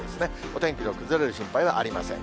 お天気の崩れる心配はありません。